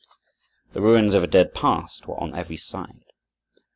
The ruins of a dead past were on every side.